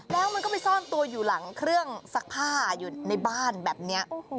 แล้วมันก็ไปซ่อนตัวอยู่หลังเครื่องซักผ้าอยู่ในบ้านแบบนี้